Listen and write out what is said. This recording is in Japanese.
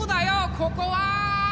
ここは！